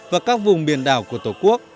và các vùng biển đảo của tổ quốc